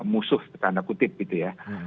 musuh tanda kutip gitu ya